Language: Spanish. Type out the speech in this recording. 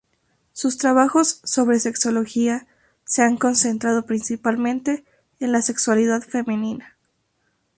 Sus trabajos sobre sexología se han concentrado principalmente en la sexualidad femenina.